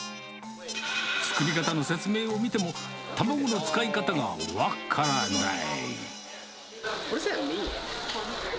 作り方の説明を見ても、卵の使い方が分からない。